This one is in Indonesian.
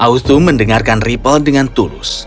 othum mendengarkan ribble dengan tulus